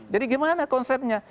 jadi gimana konsepnya